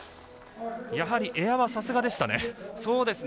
やはり、エアはさすがでしたね。